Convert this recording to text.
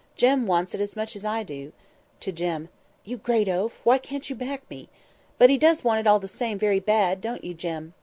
Jem wants it as much as I do." [To Jem ]—"You great oaf! why can't you back me!—But he does want it all the same, very bad—don't you, Jem?